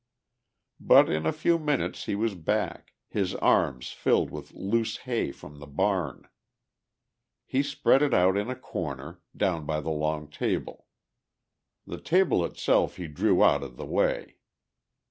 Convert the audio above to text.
But in a few minutes he was back, his arms filled with loose hay from the barn. He spread it out in a corner, down by the long table. The table itself he drew out of the way.